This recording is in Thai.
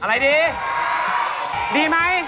ต้องทำเป็นสามกษัตริย์นะ